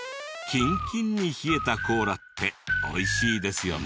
キンキンに冷えたコーラって美味しいですよね。